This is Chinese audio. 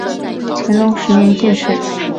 乾隆十年进士。